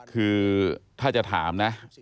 คือถ้าจะถามนะ